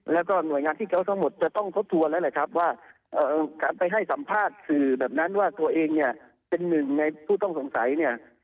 แล้วก็หน่วยงานที่เขาทั้งหมดจะต้องทบทวนแล้วแหละครับว่าการไปให้สัมภาษณ์สื่อแบบนั้นว่าตัวเองเนี่ยเป็นหนึ่งในผู้ต้องสงสัยเนี่ย